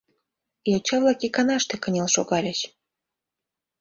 Йоча-влак иканаште кынел шогальыч.